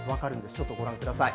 ちょっとご覧ください。